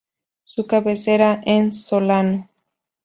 Su cabecera es Solano.